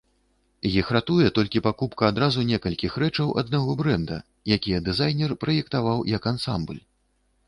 Іх ратуе толькі пакупка адразу некалькіх рэчаў аднаго брэнда, якія дызайнер праектаваў як ансамбль.